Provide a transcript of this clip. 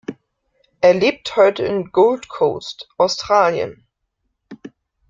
Er lebt heute in Gold Coast, Australien.